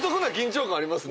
ありますね。